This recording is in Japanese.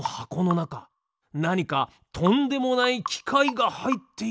なにかとんでもないきかいがはいっているのでは？